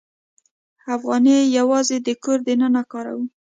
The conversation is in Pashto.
افغانۍ یوازې د کور دننه کاروو.